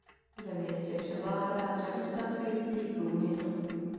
Ve městě převládá dřevozpracující průmysl.